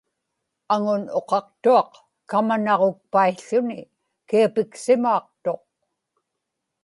aŋun uqaqtuaq kamanaġukpaił̣ł̣uni kiapiksimaaqtuq